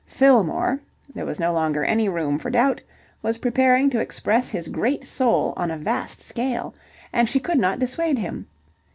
Fillmore, there was no longer any room for doubt, was preparing to express his great soul on a vast scale. And she could not dissuade him.